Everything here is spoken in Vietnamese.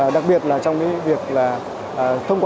đặc biệt là trong việc thông qua